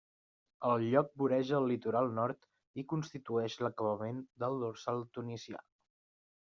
El lloc voreja el litoral nord i constitueix l'acabament del Dorsal tunisià.